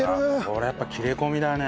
これやっぱり切れ込みだね。